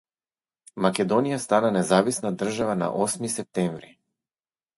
Македонија стана независна држава на Осми септември.